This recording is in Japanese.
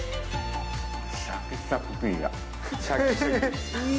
シャキシャキピヤ。